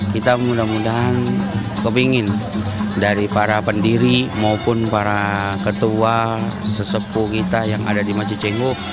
kita mudah mudahan kepingin dari para pendiri maupun para ketua sesepuh kita yang ada di masjid cengu